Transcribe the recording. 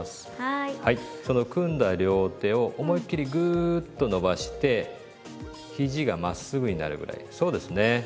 その組んだ両手を思いっ切りグーッと伸ばしてひじがまっすぐになるぐらいそうですね。